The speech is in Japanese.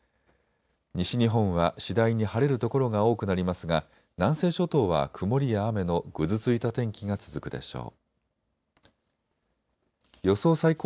西日本は次第に晴れる所が多くなりますが南西諸島は曇りや雨のぐずついた天気が続くでしょう。